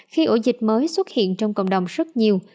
khi ổ dịch mới xuất hiện trong cộng đồng rất nhiều